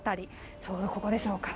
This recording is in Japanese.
ちょうど、ここでしょうか。